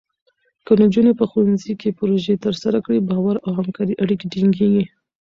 که نجونې په ښوونځي کې پروژې ترسره کړي، باور او همکارۍ اړیکې ټینګېږي.